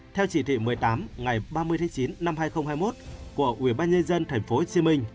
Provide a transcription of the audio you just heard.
theo chỉ thị một mươi tám ngày ba mươi chín hai nghìn hai mươi một của ubnd tp hcm